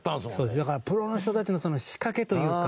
だからプロの人たちの仕掛けというか。